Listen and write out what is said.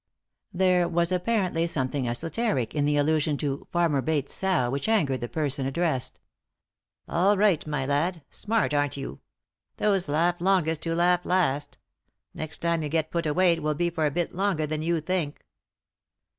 There was apparently something esoteric in the allusion to "Fanner Bates' sow" which angered the person addressed. "All right, my lad — smart, aren't you 7 Those *54 3i 9 « e0D y Google THE INTERRUPTED KISS laugh longest who laugh last 1 Next time you get put away it will be for a bit longer than you think."